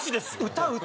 歌歌！